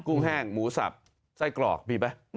ุ้งแห้งหมูสับไส้กรอกมีไหม